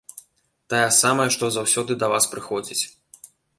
Тая самая, што заўсёды да вас прыходзіць.